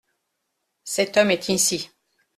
Cet homme est ici.